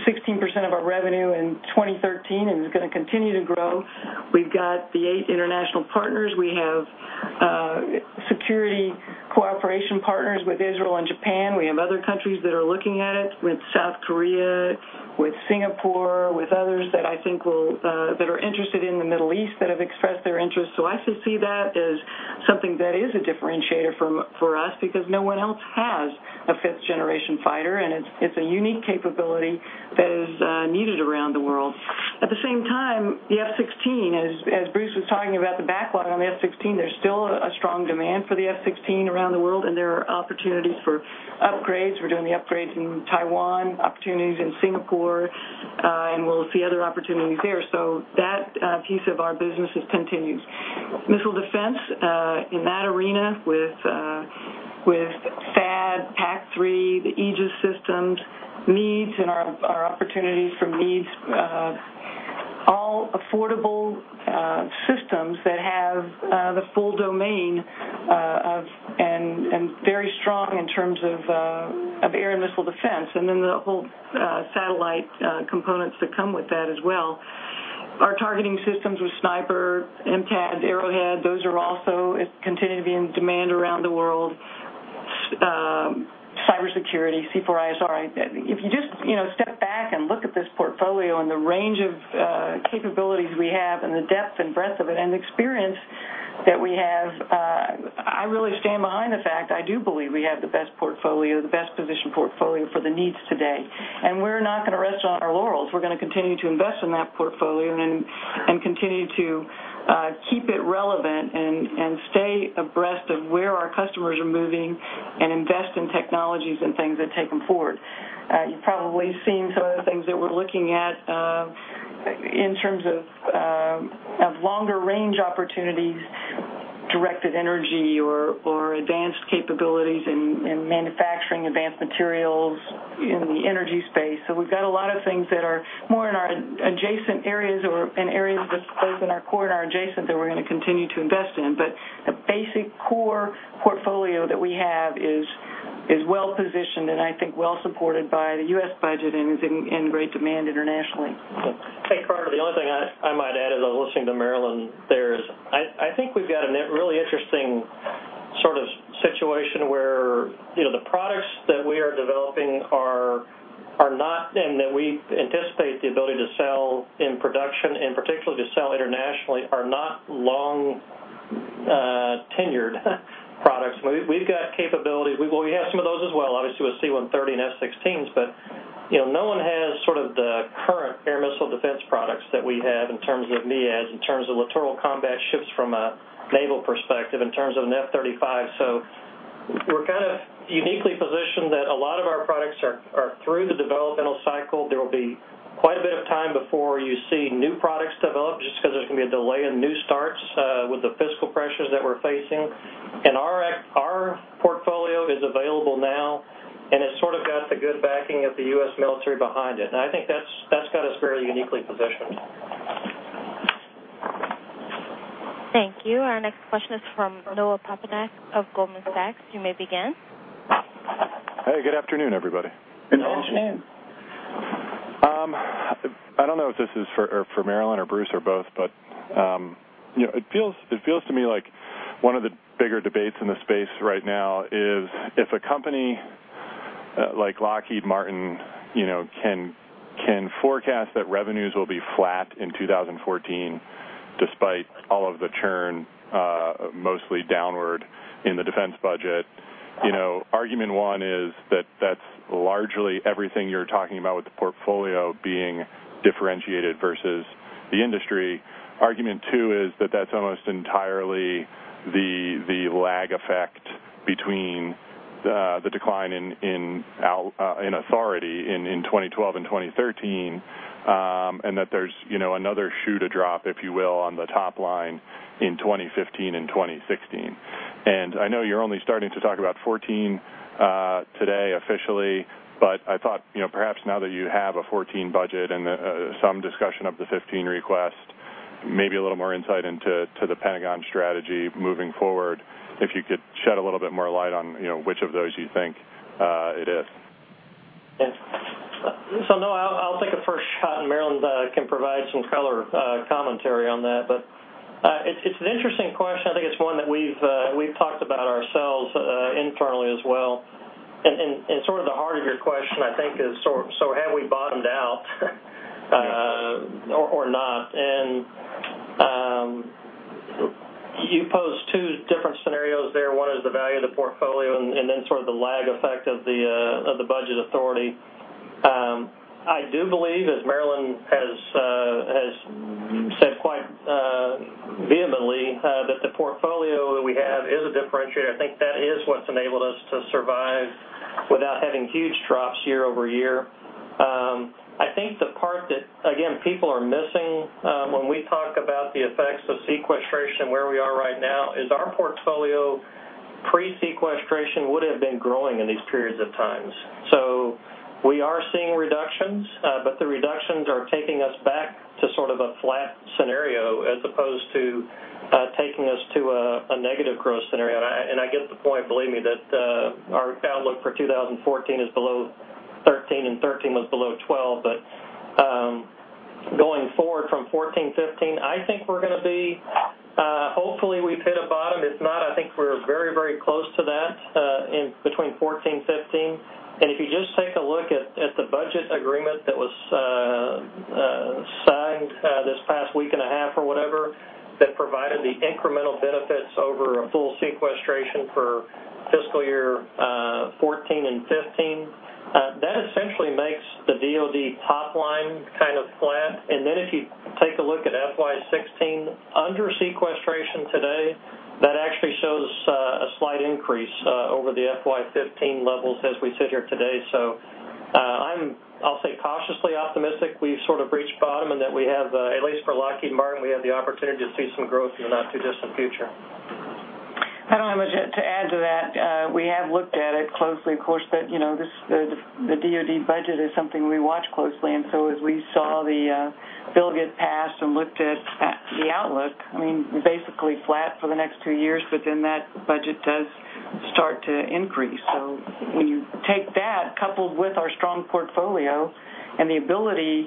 16% of our revenue in 2013 and is going to continue to grow. We've got the 8 international partners. We have security cooperation partners with Israel and Japan. We have other countries that are looking at it with South Korea, with Singapore, with others that I think that are interested in the Middle East that have expressed their interest. I should see that as something that is a differentiator for us because no one else has a fifth-generation fighter, and it's a unique capability that is needed around the world. At the same time, the F-16, as Bruce was talking about the backlog on the F-16, there's still a strong demand for the F-16 around the world, and there are opportunities for upgrades. We're doing the upgrades in Taiwan, opportunities in Singapore, and we'll see other opportunities there. That piece of our business has continued. Missile defense, in that arena with THAAD, PAC-3, the Aegis systems, MEADS and our opportunities for MEADS, all affordable systems that have the full domain and very strong in terms of air and missile defense, and then the whole satellite components that come with that as well. Our targeting systems with Sniper, M-TADS, Arrowhead, those are also continuing to be in demand around the world. Cybersecurity, C4ISR, if you just step back and look at this portfolio and the range of capabilities we have and the depth and breadth of it and experience that we have, I really stand behind the fact I do believe we have the best portfolio, the best-positioned portfolio for the needs today. We're not going to rest on our laurels. We're going to continue to invest in that portfolio and continue to keep it relevant and stay abreast of where our customers are moving and invest in technologies and things that take them forward. You've probably seen some of the things that we're looking at in terms of longer-range opportunities, directed energy or advanced capabilities in manufacturing advanced materials in the energy space. We've got a lot of things that are more in our adjacent areas or in areas both in our core and our adjacent that we're going to continue to invest in. The basic core portfolio that we have is well-positioned and I think well-supported by the U.S. budget and is in great demand internationally. Hey, Carter, the only thing I might add as I was listening to Marillyn there is, I think we've got a really interesting sort of situation where the products that we are developing are not, and that we anticipate the ability to sell in production and particularly to sell internationally, are not long-tenured products. We've got capabilities. Well, we have some of those as well, obviously, with C-130 and F-16s, but no one has sort of the current defense products that we have in terms of MEADS, in terms of Littoral Combat Ships from a naval perspective, in terms of an F-35. We're kind of uniquely positioned that a lot of our products are through the developmental cycle. There will be quite a bit of time before you see new products develop, just because there's going to be a delay in new starts with the fiscal pressures that we're facing. Our portfolio is available now, and it's sort of got the good backing of the U.S. military behind it. I think that's got us very uniquely positioned. Thank you. Our next question is from Noah Poponak of Goldman Sachs. You may begin. Hey, good afternoon, everybody. Good afternoon. I don't know if this is for Marillyn or Bruce or both, but it feels to me like one of the bigger debates in the space right now is if a company like Lockheed Martin can forecast that revenues will be flat in 2014 despite all of the churn, mostly downward, in the defense budget. Argument one is that that's largely everything you're talking about with the portfolio being differentiated versus the industry. Argument two is that that's almost entirely the lag effect between the decline in authority in 2012 and 2013, and that there's another shoe to drop, if you will, on the top line in 2015 and 2016. I know you're only starting to talk about 2014 today officially, but I thought, perhaps now that you have a 2014 budget and some discussion of the 2015 request, maybe a little more insight into the Pentagon strategy moving forward, if you could shed a little bit more light on which of those you think it is. Yes. Noah, I'll take a first shot and Marillyn can provide some color commentary on that. It's an interesting question. I think it's one that we've talked about ourselves internally as well. Sort of the heart of your question, I think, is have we bottomed out or not? You pose two different scenarios there. One is the value of the portfolio and then sort of the lag effect of the budget authority. I do believe, as Marillyn has said quite vehemently, that the portfolio that we have is a differentiator. I think that is what's enabled us to survive without having huge drops year-over-year. I think the part that, again, people are missing when we talk about the effects of sequestration, where we are right now, is our portfolio pre-sequestration would've been growing in these periods of times. We are seeing reductions, the reductions are taking us back to sort of a flat scenario as opposed to taking us to a negative growth scenario. I get the point, believe me, that our outlook for 2014 is below 2013, and 2013 was below 2012. Going forward from 2014, 2015, I think we're going to be, hopefully, we've hit a bottom. If not, I think we're very close to that between 2014 and 2015. If you just take a look at the budget agreement that was signed this past week and a half or whatever, that provided the incremental benefits over a full sequestration for fiscal year 2014 and 2015. That essentially makes the DoD top line kind of flat. If you take a look at FY 2016, under sequestration today, that actually shows a slight increase over the FY 2015 levels as we sit here today. I'm, I'll say cautiously optimistic we've sort of reached bottom and that we have, at least for Lockheed Martin, we have the opportunity to see some growth in the not too distant future. I don't have much to add to that. We have looked at it closely, of course, the DoD budget is something we watch closely. As we saw the bill get passed and looked at the outlook, basically flat for the next two years, that budget does start to increase. When you take that coupled with our strong portfolio and the ability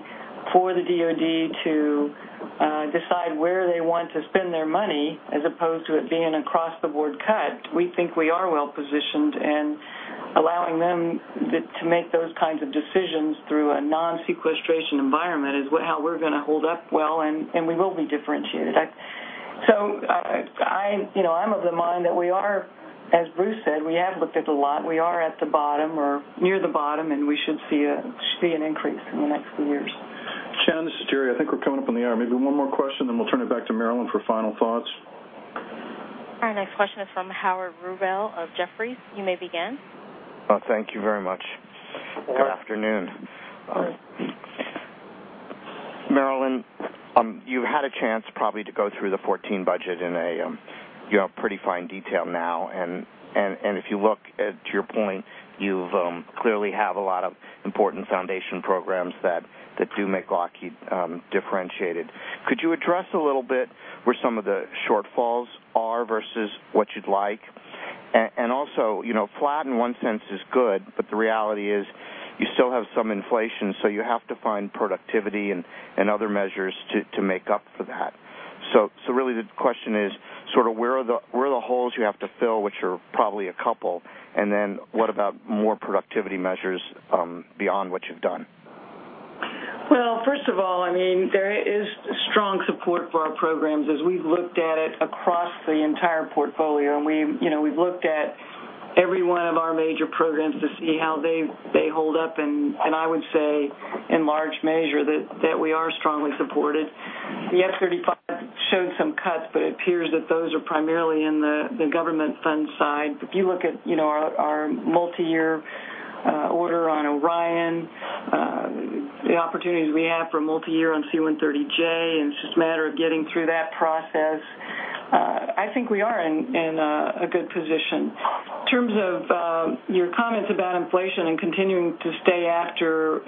for the DoD to decide where they want to spend their money, as opposed to it being an across the board cut, we think we are well positioned, and allowing them to make those kinds of decisions through a non-sequestration environment is how we're going to hold up well, and we will be differentiated. I'm of the mind that we are, as Bruce said, we have looked at the lot. We are at the bottom or near the bottom, we should see an increase in the next few years. Thanks, this is Jerry. I think we are coming up on the hour. Maybe one more question, then we will turn it back to Marillyn for final thoughts. Our next question is from Howard Rubel of Jefferies. You may begin. Thank you very much. Good afternoon. Hi. Marillyn, you have had a chance probably to go through the 2014 budget in a pretty fine detail now. If you look to your point, you clearly have a lot of important foundation programs that do make Lockheed differentiated. Could you address a little bit where some of the shortfalls are versus what you would like? Also, flat in one sense is good, but the reality is you still have some inflation, you have to find productivity and other measures to make up for that. Really the question is sort of where are the holes you have to fill, which are probably a couple. What about more productivity measures beyond what you have done? Well, first of all, there is strong support for our programs as we've looked at it across the entire portfolio, and we've looked at every one of our major programs to see how they hold up, and I would say in large measure that we are strongly supported. The F-35 showed some cuts, but it appears that those are primarily in the government fund side. If you look at our multi-year order on Orion, the opportunities we have for multi-year on C-130J, and it's just a matter of getting through that process. I think we are in a good position. In terms of your comments about inflation and continuing to stay after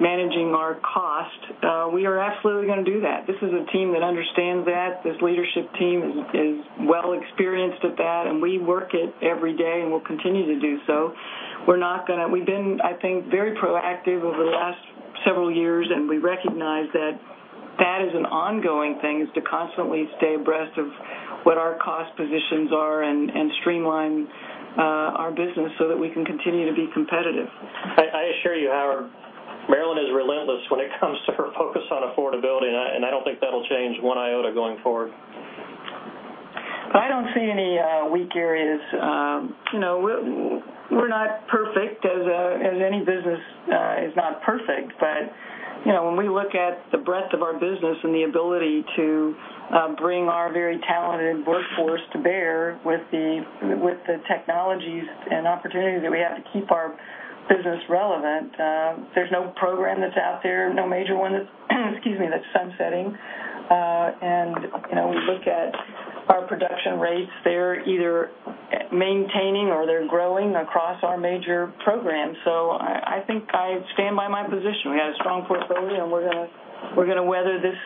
managing our cost, we are absolutely going to do that. This is a team that understands that, this leadership team is well experienced at that, and we work it every day, and we'll continue to do so. We've been, I think, very proactive over the last several years, and we recognize that that is an ongoing thing, is to constantly stay abreast of what our cost positions are and streamline our business so that we can continue to be competitive. I assure you, Howard, Marillyn is relentless when it comes to her focus on affordability, and I don't think that'll change one iota going forward. I don't see any weak areas. We're not perfect as any business is not perfect. When we look at the breadth of our business and the ability to bring our very talented workforce to bear with the technologies and opportunities that we have to keep our business relevant, there's no program that's out there, no major one that's, excuse me, that's sunsetting. We look at our production rates, they're either maintaining or they're growing across our major programs. I think I stand by my position. We've got a strong portfolio, and we're going to weather this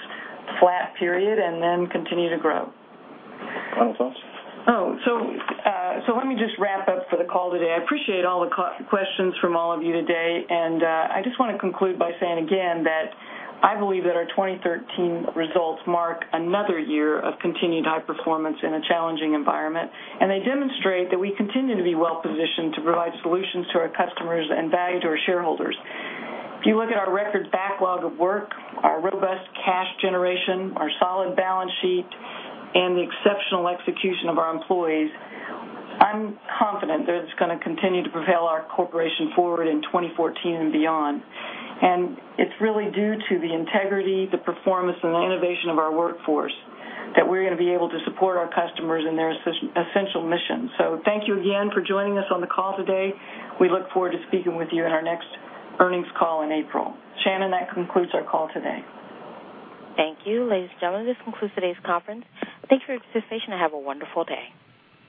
flat period and then continue to grow. That was all. Let me just wrap up for the call today. I appreciate all the questions from all of you today, and I just want to conclude by saying again that I believe that our 2013 results mark another year of continued high performance in a challenging environment, and they demonstrate that we continue to be well-positioned to provide solutions to our customers and value to our shareholders. If you look at our record backlog of work, our robust cash generation, our solid balance sheet, and the exceptional execution of our employees, I'm confident that it's going to continue to propel our corporation forward in 2014 and beyond. It's really due to the integrity, the performance, and the innovation of our workforce that we're going to be able to support our customers in their essential mission. Thank you again for joining us on the call today. We look forward to speaking with you in our next earnings call in April. Shannon, that concludes our call today. Thank you. Ladies and gentlemen, this concludes today's conference. Thank you for your participation and have a wonderful day.